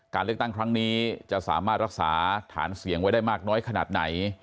การเลือกตั้งครั้งนี้จะสามารถรักษาฐานเสียงไว้ได้มากน้อยขนาดไหน